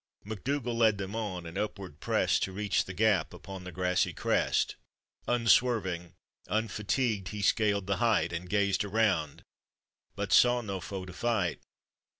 MacDougall led them on, and upward pressed, To reach the gap upon the grassy crest; Unswerving, unfatigued, he scaled the height, And gazed around, but saw no foe to fight.